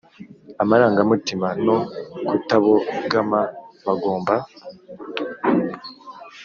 amarangamutima no kutabogama bagomba